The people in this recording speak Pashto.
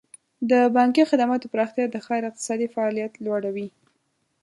د بانکي خدماتو پراختیا د ښار اقتصادي فعالیت لوړوي.